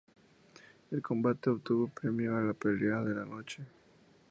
El combate obtuvo el premio a la "Pelea de la Noche".